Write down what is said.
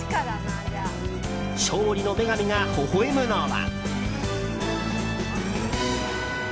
勝利の女神が、ほほ笑むのは。